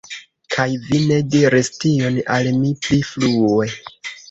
Kaj vi ne diris tion al mi pli frue!